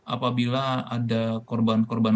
apabila ada korban korban